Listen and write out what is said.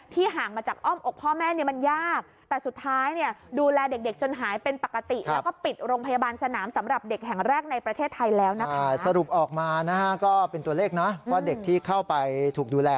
ที่ห่างมาจากอ้อมอกพ่อแม่มันยาก